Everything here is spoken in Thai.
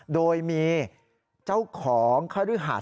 โดยมีเจ้าของคฤหาส